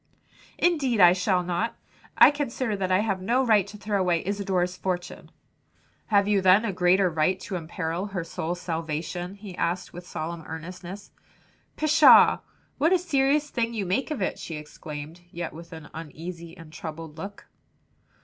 "Indeed I shall not; I consider that I have no right to throw away Isadore's fortune." "Have you then a greater right to imperil her soul's salvation?" he asked with solemn earnestness. "Pshaw! what a serious thing you make of it," she exclaimed, yet with an uneasy and troubled look.